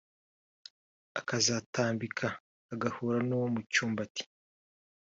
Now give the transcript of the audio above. ukazatambika ugahura n’uwo mu Cyumbati